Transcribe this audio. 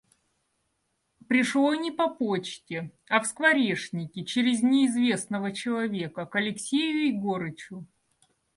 Пришло не по почте, а в Скворешники через неизвестного человека к Алексею Егорычу.